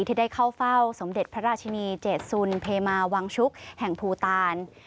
ที่ได้เข้าเฝ้าสมเด็จพระราชินีเจษสุนเพมาวังชุกแห่งภูตาล